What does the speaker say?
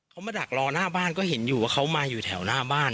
เขามาดักรอหน้าบ้านก็เห็นอยู่ว่าเขามาอยู่แถวหน้าบ้าน